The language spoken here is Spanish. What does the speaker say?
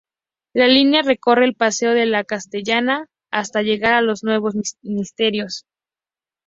La línea recorre el Paseo de la Castellana hasta llegar a los Nuevos Ministerios.